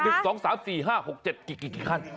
โอ้โหนี่๑๒๓๔๕๖๗กี่ขั้น